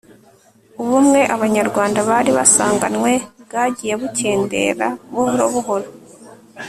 ubumwe abanyarwanda bari basanganywe bwagiye bukendera buhoro buhoro